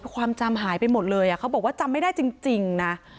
ความจำหายไปหมดเลยเขาบอกว่าจำไม่ได้จริงนะ